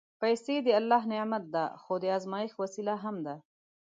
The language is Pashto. پېسې د الله نعمت دی، خو د ازمېښت وسیله هم ده.